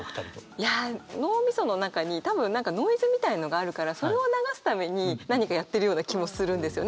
いや脳みその中に多分ノイズみたいのがあるからそれを流すために何かやってるような気もするんですよね